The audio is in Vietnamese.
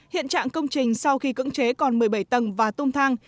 hiện trạng công trình sau khi cưỡng chế còn một mươi bảy tầng và tung thang